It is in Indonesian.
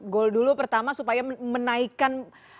goal dulu pertama supaya menaikkan